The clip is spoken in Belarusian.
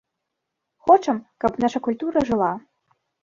Хочам, каб наша культура жыла.